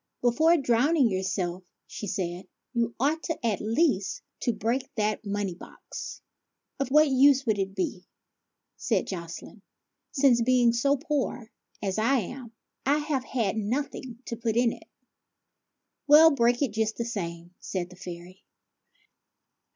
" Before drowning yourself," said she, " you ought, at least, to break that money box." " Of what use would that be," said Jocelyne, "since, being so poor as I am, I have had nothing to put into it ?"" Well, break it just the same," said the fairy.